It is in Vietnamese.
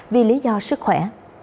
vì lý do sức khỏe